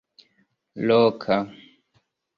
loka